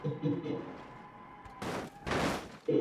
属邕州羁縻。